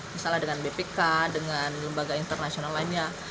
misalnya dengan bpk dengan lembaga internasional lainnya